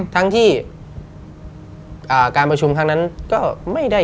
ทั้งที่การประชุมครั้งนั้นก็ไม่ได้